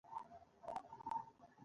یاسمین به په لاسونو کې بنګړي وراچول.